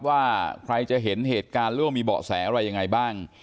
ว่าใครจะเห็นเหตุการณ์หรือว่ามีเบาะแสอะไรยังไงบ้าง